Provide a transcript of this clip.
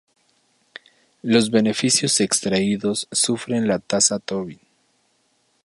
Los beneficios extraídos sufren la Tasa Tobin.